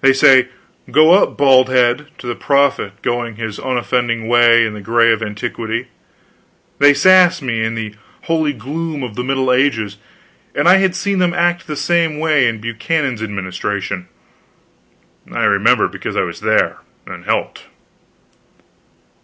They say "Go up, baldhead" to the prophet going his unoffending way in the gray of antiquity; they sass me in the holy gloom of the Middle Ages; and I had seen them act the same way in Buchanan's administration; I remember, because I was there and helped.